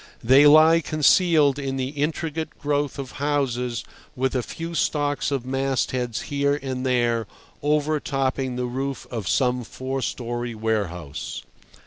They lie concealed in the intricate growth of houses with a few stalks of mastheads here and there overtopping the roof of some four story warehouse.